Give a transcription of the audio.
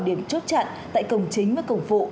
điểm chốt chặn tại cổng chính với cổng vụ